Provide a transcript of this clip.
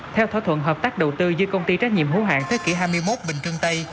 theo thỏa thuận hợp tác đầu tư dưới công ty trách nhiệm hữu hạng thế kỷ hai mươi một bình trưng tây